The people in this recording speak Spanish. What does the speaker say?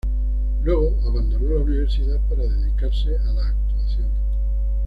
Luego abandonó la universidad para dedicarse a la actuación.